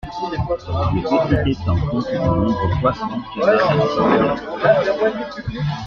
Le petit étang compte de nombreux poissons, canards et cygnes.